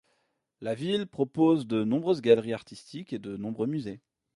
La ville propose de nombreuses galeries artistiques et de nombreux musées.